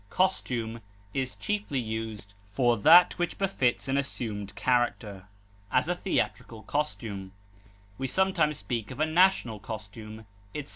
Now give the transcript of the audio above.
Costume is chiefly used for that which befits an assumed character; as, a theatrical costume; we sometimes speak of a national costume, etc.